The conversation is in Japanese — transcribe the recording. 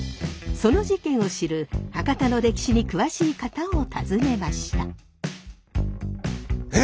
その事件を知る博多の歴史に詳しい方を訪ねました。